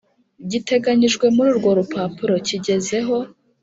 giteganyijwe muri urwo rupapuro kigezeho